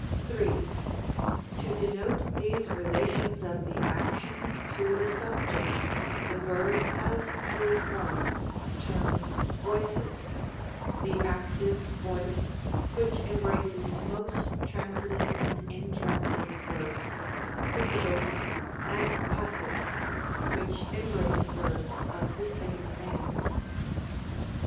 '' 3. To denote these relations of the action to the subject, the verb has three forms, termed Voices; the Active voice, which embraces most transitive and in transitive verbs, the Middle and Passive, which em brace verbs of the same names.